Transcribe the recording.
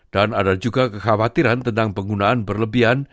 dan ada juga kekhawatiran tentang penggunaan berlebihan